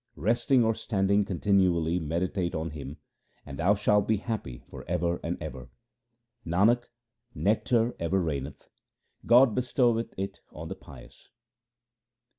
Resting or standing continually meditate on Him, and thou shalt be happy for ever and ever. Nanak, nectar ever raineth ; God bestoweth it on the pious.